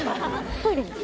トイレに。